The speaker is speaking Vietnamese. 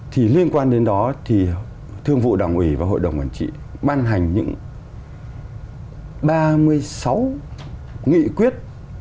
thì liên quan đến đó thì thương vụ đảng ủy và hội đồng quản trị ban hành những ba mươi sáu nghị quyết